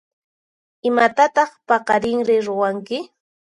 Imatataq paqarinri ruwanki?